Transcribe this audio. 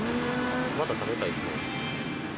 また食べたいです。